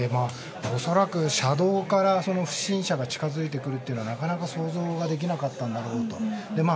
恐らく車道から不審者が近づいてくるのはなかなか想像ができなかったんだろうと。